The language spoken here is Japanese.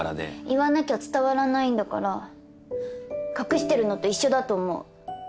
言わなきゃ伝わらないんだから隠してるのと一緒だと思う。